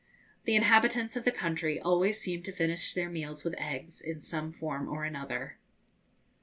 The inhabitants of the country always seem to finish their meals with eggs in some form or another.